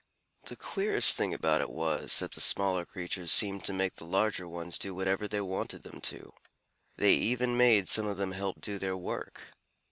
The queerest thing about it was, that the smaller creatures seemed to make the larger ones do whatever they wanted them to. They even made some of them help do their work.